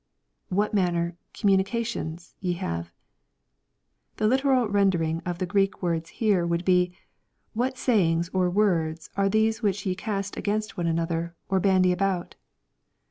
[ What manner...communicaiions...ye have,] The literal rendering of the Greek words here would be, " What sayings or words are these which ye cast against one another, or bandy about?"